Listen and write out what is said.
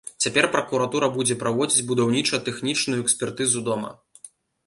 Цяпер пракуратура будзе праводзіць будаўніча-тэхнічную экспертызу дома.